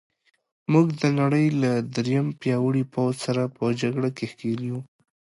موږ د نړۍ له درېیم پیاوړي پوځ سره په جګړه کې ښکېل یو.